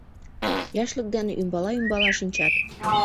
Яшлык дене ӱмбала-ӱмбала шинчат...